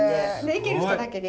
行ける人だけで？